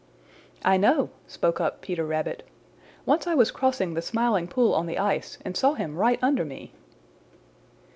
"I know," spoke up Peter Rabbit. "Once I was crossing the Smiling Pool on the ice and saw him right under me."